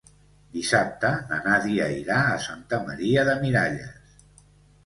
Dissabte na Nàdia irà a Santa Maria de Miralles.